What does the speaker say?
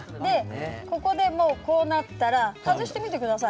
ここでこうなったら外してみてください。